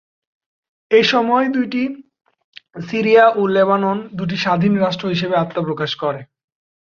এসময় দুইটি সিরিয়া ও লেবানন দুটি স্বাধীন রাষ্ট্র হিসেবে আত্মপ্রকাশ করে।